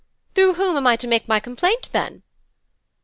'Through whom am I to make my complaint, then?'